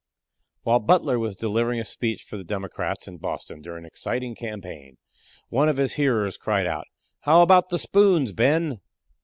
'" While Butler was delivering a speech for the Democrats in Boston during an exciting campaign, one of his hearers cried out, "How about the spoons, Ben?"